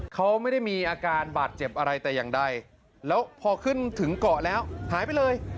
เขาไม่ได้มีอาการบาดเจ็บอะไรแต่อย่างใดแล้วพอขึ้นถึงเกาะแล้วหายไปเลย